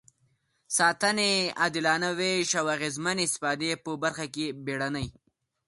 ساتنې، عادلانه وېش او اغېزمنې استفادې په برخه کې بیړني.